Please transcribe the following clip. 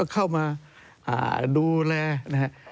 เข้ามาดูแลนะครับ